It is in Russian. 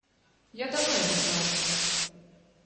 Я давно его знаю.